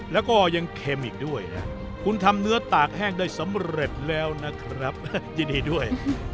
แล้วก็ยังเค็มอีกด้วยนะคุณทำเนื้อตากแห้งได้สำเร็จแล้วนะครับยินดีด้วย